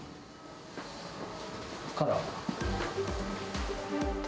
カラー。